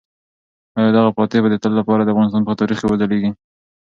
آیا دغه فاتح به د تل لپاره د افغانستان په تاریخ کې وځلیږي؟